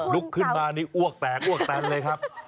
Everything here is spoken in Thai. ลุกขึ้นมาอวกแตกอวกแตกเลยครับ